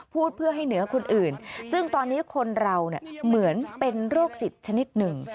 พูดเพื่อให้เหนือคนอื่นซึ่งตอนนี้คนเราเหมือนเป็นโรคจิตชนิดหนึ่ง